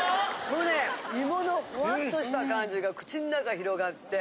もうね芋のふわっとした感じが口の中広がって。